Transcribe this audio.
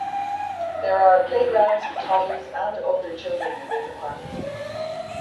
There are playgrounds for toddlers and older children within the park.